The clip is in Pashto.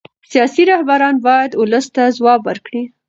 سیاسي رهبران باید ولس ته ځواب ورکړي